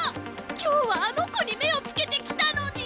今日はあの子に目をつけて来たのに！